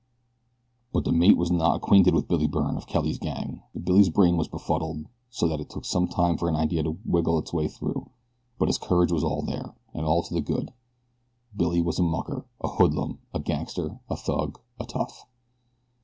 But the mate was not acquainted with Billy Byrne of Kelly's gang. Billy's brain was befuddled, so that it took some time for an idea to wriggle its way through, but his courage was all there, and all to the good. Billy was a mucker, a hoodlum, a gangster, a thug, a tough.